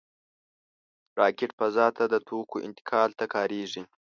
راکټ فضا ته د توکو انتقال ته کارېږي